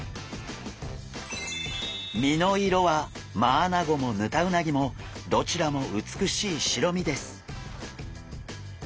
身の色はマアナゴもヌタウナギもどちらも美しい白身です。